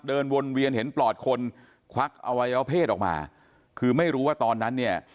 เดินวนเวียนเห็นปลอดคนควักอวัยวะเพศออกมาคือไม่รู้ว่าตอนนั้นเนี่ย